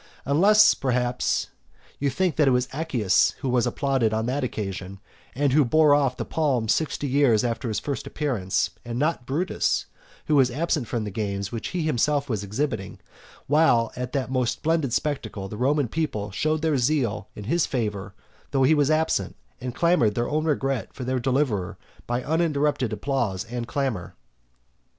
Unless, perhaps, you think that it was Accius who was applauded on that occasion, and who bore off the palm sixty years after his first appearance, and not Brutus, who was absent from the games which he himself was exhibiting, while at that most splendid spectacle the Roman people showed their zeal in his favour though he was absent, and soothed their own regret for their deliverer by uninterrupted applause and clamour.